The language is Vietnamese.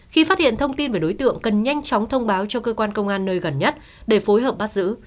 khi phát hiện thông tin về đối tượng cần nhanh chóng thông báo cho cơ quan công an nơi gần nhất để phối hợp bắt giữ